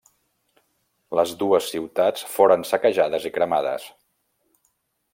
Les dues ciutats foren saquejades i cremades.